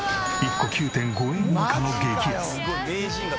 １個９．５円以下の激安！